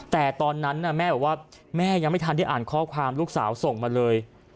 แต่ตอนนั้นแม่บอกว่าแม่ยังไม่ทันได้อ่านข้อความลูกสาวส่งมาเลย